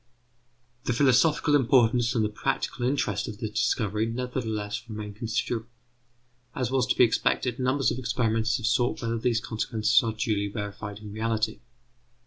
The philosophical importance and the practical interest of the discovery nevertheless remain considerable. As was to be expected, numbers of experimenters have sought whether these consequences are duly verified in reality.